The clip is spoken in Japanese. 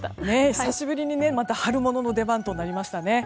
久しぶりに春物の出番となりましたね。